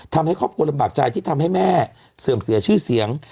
ทำให้ครอบครัวลำบากใจที่ทำให้แม่เสื่อมเสียชื่อเสียง